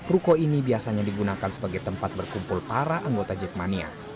ruko ini biasanya digunakan sebagai tempat berkumpul para anggota jackmania